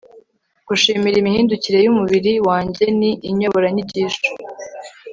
gushimira imihindukire y umubiri wanjye ni inyoboranyigisho